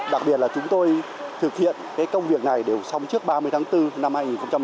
đặc biệt là chúng tôi thực hiện công việc này đều xong trước ba mươi tháng bốn năm hai nghìn hai mươi